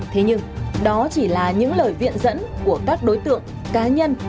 thế nhưng đó chỉ là những lời viện dẫn của các đối tượng cá nhân